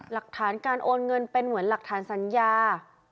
หลักฐานการโอนเงินเป็นเหมือนหลักฐานสัญญา